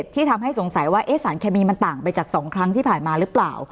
ที่ทำให้สงสัยว่าสารเคมีมันต่างไปจาก๒ครั้งที่ผ่านมาหรือเปล่า